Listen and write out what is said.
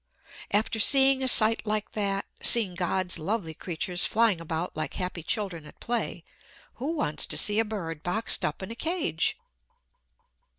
After seeing a sight like that seeing God's lovely creatures flying about like happy children at play who wants to see a bird boxed up in a cage?